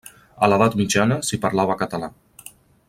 A l'Edat Mitjana s'hi parlava català.